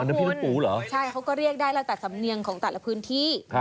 น้ำผิกน้ำปูเหรอคุณใช่เขาก็เรียกได้แล้วทักแต่สำเนียงของแต่ละพื้นที่